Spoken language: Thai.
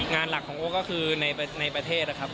งานหลักของโอ๊ก็คือในประเทศนะครับ